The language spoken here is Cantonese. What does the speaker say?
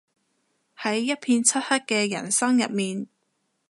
喺一片漆黑嘅人生入面